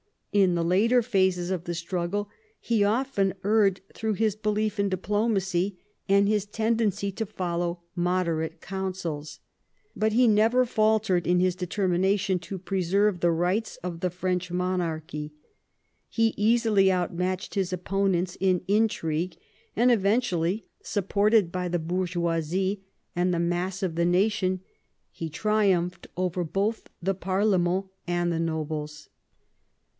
In the later phases of the struggle he often erred through his belief in diplomacy and his tendency to follow moderate counsels. But he never faltered in his determination to preserve the rights of the French monarchy ; he easily outmatched his oppo nents in intrigue ; and eventually, supported by the bowgeoisie and the mass of the nation, he triumphed over both the parlement and the nobles.